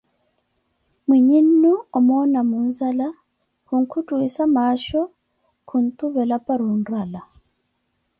Mwiiinhe noo omoona muinzala, khunkutwissa maasho, khuntuvela para onrala.